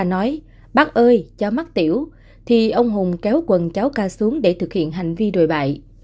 nói bác ơi cháu mắc tiểu thì ông hùng kéo quần cháu k xuống để thực hiện hành vi đòi bại